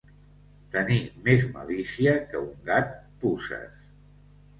Tenir més malícia que un gat puces.